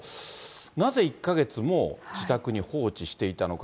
なぜ、１か月も自宅に放置していたのか。